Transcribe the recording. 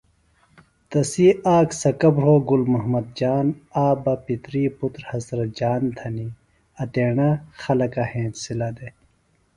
تسیئے آک تہ سکہ بھرو گُل محمد جان، آک بہ پِتری پُتر حضرت جان تھنیۡ، ایتیݨہ خلکہ ہینسِلہ دےۡ